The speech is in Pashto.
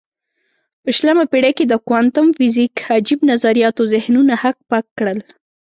په شلمه پېړۍ کې د کوانتم فزیک عجیب نظریاتو ذهنونه هک پک کړل.